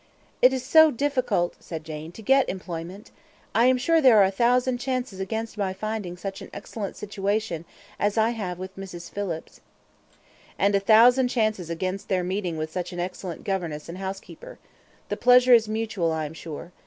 "It is so difficult," said Jane, "to get employment. I am sure there are a thousand chances against my finding such an excellent situation as I have with Mrs. Phillips." "And a thousand chances against their meeting with such an excellent governess and housekeeper. The pleasure is mutual, I am sure.